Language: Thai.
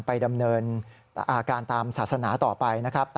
ไปดำเนินการตามศาสนาต่อไปนะครับ